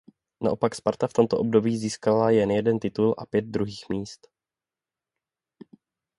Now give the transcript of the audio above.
Naopak Sparta v tomto období získala jen jeden titul a pět druhých míst.